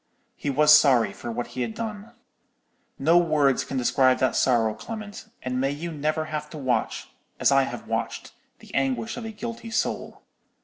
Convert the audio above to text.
He was sorry for what he had done. No words can describe that sorrow, Clement: and may you never have to watch, as I have watched, the anguish of a guilty soul!